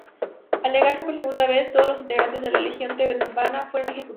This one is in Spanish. Al negarse por segunda vez, todos los integrantes de la Legión Tebana fueron ejecutados.